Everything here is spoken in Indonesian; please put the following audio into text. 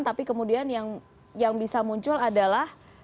tapi kemudian yang bisa muncul adalah